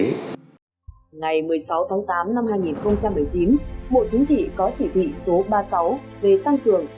ngày một mươi sáu tháng tám năm hai nghìn một mươi chín bộ chính trị có chỉ thị số ba mươi sáu về tăng cường